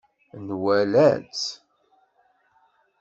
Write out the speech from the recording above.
Nwala-tt.